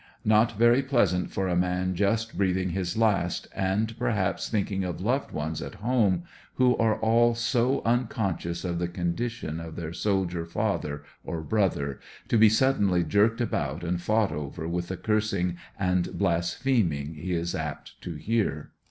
Not very pleasant for a man just breathing his last, and perhaps thinking of loved ones at home who 52 ANDER80NVILLE DIABY. nre all so unconscious of the condition of their soldier father or brother, to be suddenly jerked about and fouirht over, 'w itli the cursing and blaspheming he is apt to hear.